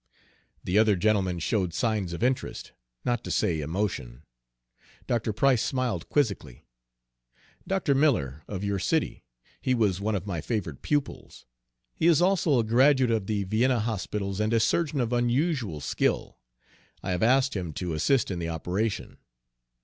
The other gentlemen showed signs of interest, not to say emotion. Dr. Price smiled quizzically. "Dr. Miller, of your city. He was one of my favorite pupils. He is also a graduate of the Vienna hospitals, and a surgeon of unusual skill. I have asked him to assist in the operation."